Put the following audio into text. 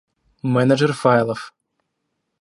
Менеджер файлов